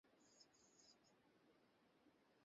যাতে করে উনি এবং আমি পথে কথা বলতে পারি।